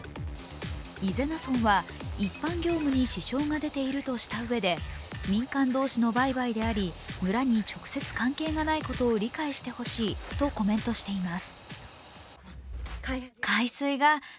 伊是名村は一般業務に支障が出ているとしたうえで民間同士の売買であり、村に直接関係がないことを理解してほしいとコメントしています。